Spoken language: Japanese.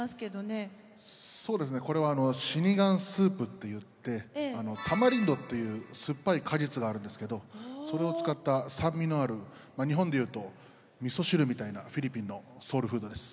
そうですねこれは「シニガンスープ」って言ってタマリンドという酸っぱい果実があるんですけどそれを使った酸味のある日本で言うとみそ汁みたいなフィリピンのソウルフードです。